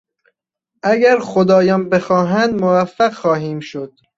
اگر خدایان بخواهند موفق خواهیم شد.